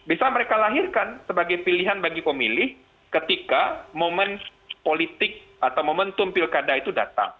bisa mereka lahirkan sebagai pilihan bagi pemilih ketika momen politik atau momentum pilkada itu datang